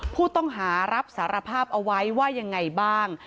ผู้ต้องหารับสารภาพเอาไว้ว่ายังไงบ้าง